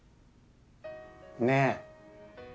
ねえ！